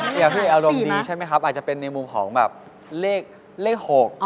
อย่างพี่อารมณ์ดีใช่ไหมครับอาจจะเป็นในมุมของแบบเลข๖